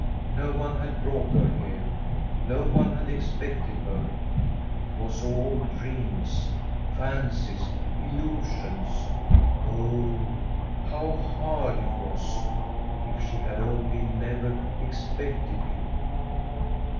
No one had brought her here ; no one had expected her. It was all dreams, fancies, illusions ! Oh, how hard it was I If she had only never expected him